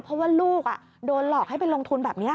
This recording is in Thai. เพราะว่าลูกโดนหลอกให้ไปลงทุนแบบนี้